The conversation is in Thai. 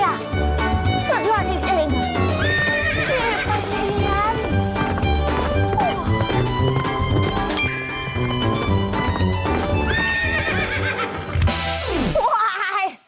ย่ายดาวขอเอาอียาย